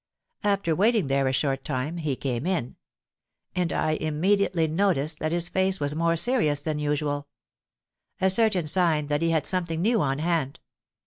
After waiting there a short time, he came in; and I immediately noticed that his face was more serious than usual,—a certain sign that he had something new on hand.